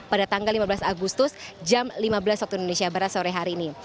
pada tanggal lima belas agustus jam lima belas waktu indonesia barat sore hari ini